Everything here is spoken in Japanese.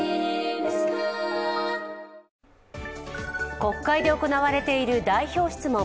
国会で行われている代表質問。